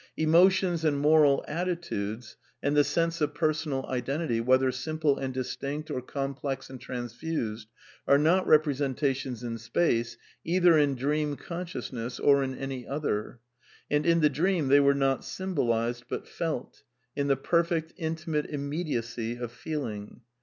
Emotions and moral atti tudesy and the sense of personal identity, whether simple and distinct, or complex and transftused, are not repre sentations in space, either in dream consciousness or in any other. And in the dream they were not symbolized, but felt; in the perfect, intimate immediacy of feeling.